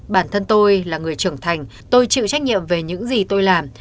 bản thân tôi là người trưởng thành tôi chịu trách nhiệm về những gì tôi làm